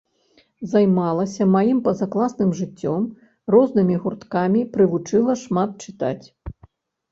Займалася маім пазакласным жыццём, рознымі гурткамі, прывучыла шмат чытаць.